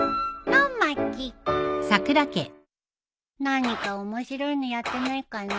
何か面白いのやってないかな？